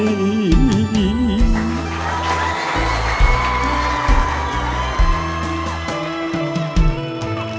ลูกทำงานหนักงานเบาจางใครเขาทำแทนก็ได้